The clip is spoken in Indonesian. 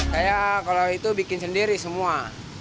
saya kalau itu bikin sendiri semua